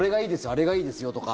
あれがいいですよとか。